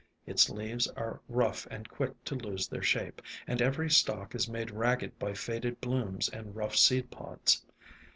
Its leaves are rough and quick to lose their shape, and every stalk is made ragged by faded blooms and rough seed pods.